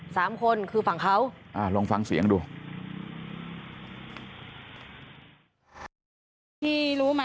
สามคนคือฝั่งเขาอ่าลองฟังเสียงดู